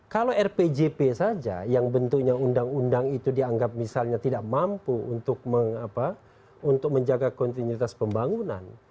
kalau rpjp saja yang bentuknya undang undang itu dianggap misalnya tidak mampu untuk menjaga kontinuitas pembangunan